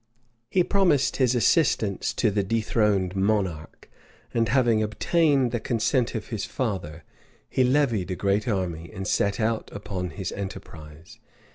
He promised his assistance to the dethroned monarch; and having obtained the consent of his father, he levied a great army, and set out upon his enterprise.